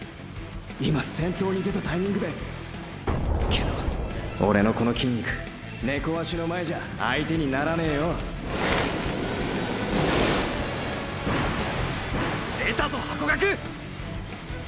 今先頭に出たタイミングで⁉けどオレのこの筋肉ーー猫足の前じゃ相手にならねーよ出たぞハコガク！！